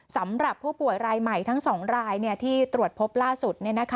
สำหรับผู้ป่วยรายใหม่ทั้ง๒รายที่ตรวจพบล่าสุด